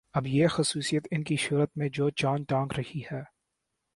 اب یہ خصوصیت ان کی شہرت میں جو چاند ٹانک رہی ہے